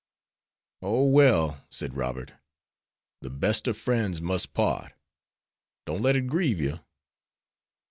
"O, well," said Robert, "the best of friends must part. Don't let it grieve you."